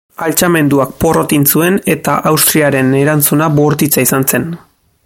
Altxamenduak porrot egin zuen eta Austriaren erantzuna bortitza izan zen.